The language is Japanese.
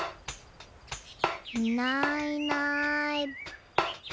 いないいない。